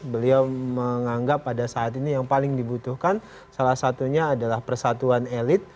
beliau menganggap pada saat ini yang paling dibutuhkan salah satunya adalah persatuan elit